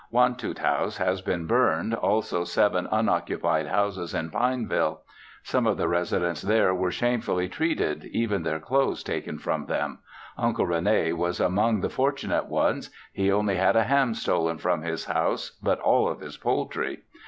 Wantoot house has been burned, also seven unoccupied houses in Pineville. Some of the residents there were shamefully treated, even their clothes taken from them. Uncle Rene was among the fortunate ones; he only had a ham stolen from his house but all of his poultry.